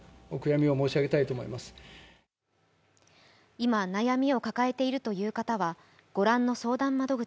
今、悩みを抱えているという方はご覧の相談窓口